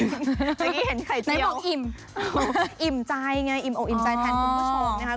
ชิคกี้พายเห็นไข่เจียวอิ่มใจไงอิ่มใจแทนคุณผู้ชมนะครับ